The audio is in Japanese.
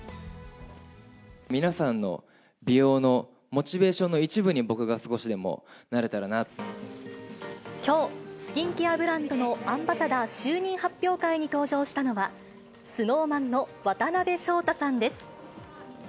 皆さんの美容のモチベーションの一部に、僕が少しでもなれたきょう、スキンケアブランドのアンバサダー就任発表会に登場したのは、ＳｎｏｗＭａｎの渡辺翔太さんです。